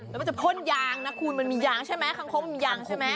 แล้วมันจะพ่นยางนะคุณมันมียางใช่ไหมคังคกมียางใช่ไหม